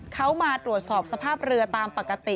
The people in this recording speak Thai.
เขามาตรวจสอบสภาพเรือตามปกติ